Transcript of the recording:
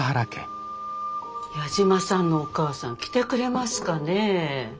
矢島さんのお母さん来てくれますかね？